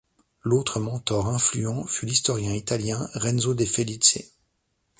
L'autre mentor influent fut l'historien italien Renzo De Felice.